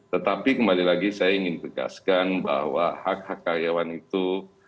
tetapi kembali lagi saya ingin tegaskan bahwa hak hak karyawan itu